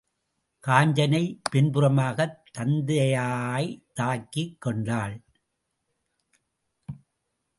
காஞ்சனை பின்புறமாகத் தத்தையைத் தாங்கிக் கொண்டாள்.